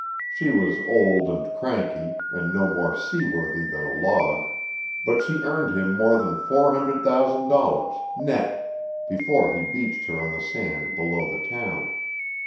She was old, and cranky, and no more seaworthy than a log; but she earned him more than four hundred thousand dollars, net, before he beached her on the sand below the town.